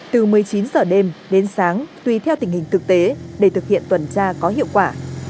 từ một mươi chín giờ đêm đến sáng tùy theo tình hình thực tế để thực hiện tuần tra có hiệu quả